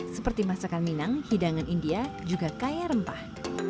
seperti masakan minang hidangan india juga kaya rempah